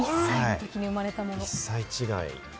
１歳違い。